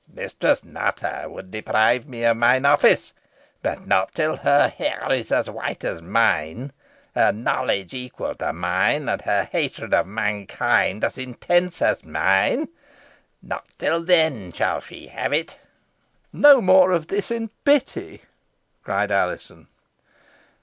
Mistress Nutter would deprive me of mine office; but not till her hair is as white as mine, her knowledge equal to mine, and her hatred of mankind as intense as mine not till then shall she have it." "No more of this, in pity!" cried Alizon.